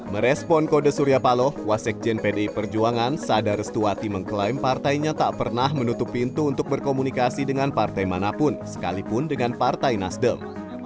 merespon kode surya paloh wasekjen pdi perjuangan sada restuati mengklaim partainya tak pernah menutup pintu untuk berkomunikasi dengan partai manapun sekalipun dengan partai nasdem